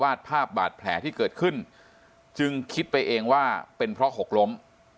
ภาพบาดแผลที่เกิดขึ้นจึงคิดไปเองว่าเป็นเพราะหกล้ม